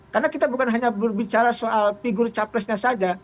karena kita bukan bicara soal figur capresnya saja